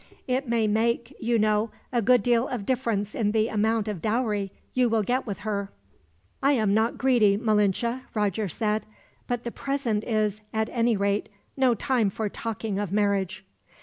It may make, you know, a good deal of difference in the amount of dowry you will get with her." "I am not greedy, Malinche," Roger said; "but the present is, at any rate, no time for talking of marriage."